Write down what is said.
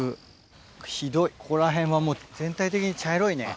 ひどいここら辺はもう全体的に茶色いね。